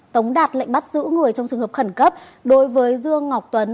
tống đạt lệnh bắt giữ người trong trường hợp khẩn cấp đối với dương ngọc tuấn